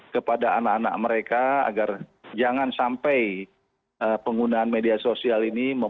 kepada anak anak mereka agar jangan sampai penggunaan media sosial ini